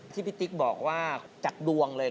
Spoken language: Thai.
ที่พี่ติ๊กบอกว่าจากดวงเลย